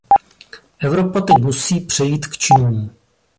Evropa teď musí přejít k činům.